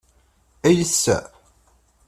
Ad iyi-tseɛef?